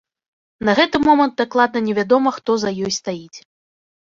На гэты момант дакладна не вядома, хто за ёй стаіць.